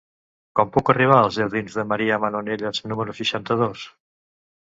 Com puc arribar als jardins de Maria Manonelles número seixanta-dos?